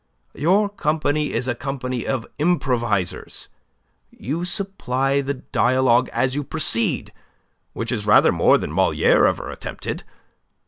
Your company is a company of improvisers. You supply the dialogue as you proceed, which is rather more than Moliere ever attempted.